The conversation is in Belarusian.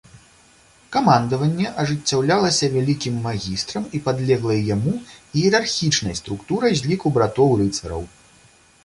Камандаванне ажыццяўлялася вялікім магістрам і падлеглай яму іерархічнай структурай з ліку братоў-рыцараў.